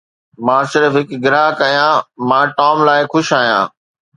مان صرف هڪ گراهڪ آهيان مان ٽام لاء خوش آهيان